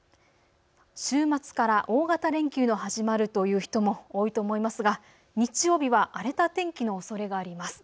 週末から大型連休が始まるという人も多いと思いますが日曜日は荒れた天気のおそれがあります。